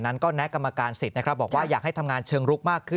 แนนกับกรรมการศิษย์บอกว่าอยากให้ทำงานเชิงรูปมากขึ้น